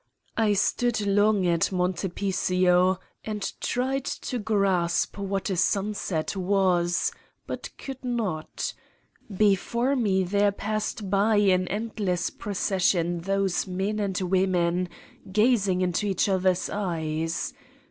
I stood long at Monte Picio and tried to grasp what a sunset was but could not : before me there passed by in end less procession those men and women, gazing into each other's eyes.